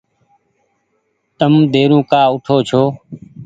تم ديرو ڪآ اوٺو ڇو ۔